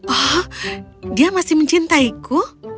oh dia masih mencintaiku